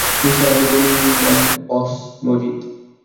নিসার আলি বললেন, বস মজিদ।